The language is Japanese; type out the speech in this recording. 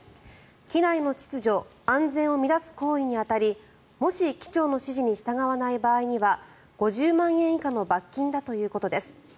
機内の秩序・安全を乱す行為に当たりもし機長の指示に従わない場合には５０万円以下の罰金だということです。